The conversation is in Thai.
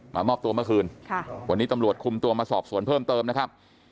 มามอบตัวเมื่อคืนวันนี้ตำรวจคุมตัวมาสอบสวนเพิ่มเติมนะครับ